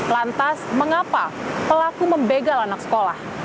lantas mengapa pelaku membegal anak sekolah